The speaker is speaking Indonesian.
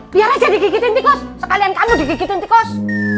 biar aja di gigitin tikus sekalian kamu di gigitin tikus